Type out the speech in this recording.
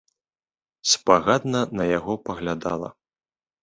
Спагадна на яго паглядала.